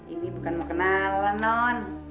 ini bukan mau kenalan non